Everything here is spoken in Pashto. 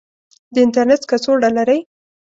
د انترنیټ کڅوړه لرئ؟